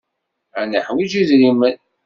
Ad neḥwiǧ idrimen.